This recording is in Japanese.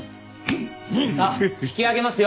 さあ引き揚げますよ。